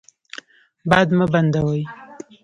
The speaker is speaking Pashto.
باد مه بندوئ.